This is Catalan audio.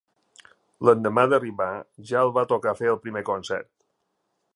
L'endemà d'arribar ja els va tocar fer el primer concert.